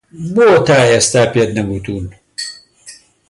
بۆ تا ئێستا پێت نەگوتوون؟